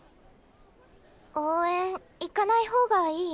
応援行かない方がいい？